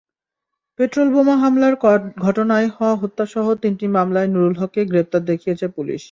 পেট্রলবোমা হামলার ঘটনায় হওয়া হত্যাসহ তিনটি মামলায় নুরুল হককে গ্রেপ্তার দেখিয়েছে পুলিশ।